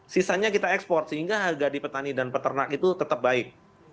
sisanya kita ekspor sehingga harga di petani dan peternak itu tetap baik